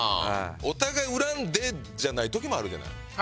お互い恨んでじゃない時もあるじゃない。